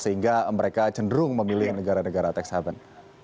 sehingga mereka cenderung memilih negara negara tax haven